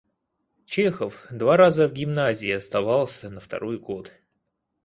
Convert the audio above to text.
Чехов два раза в гимназии оставался на второй год.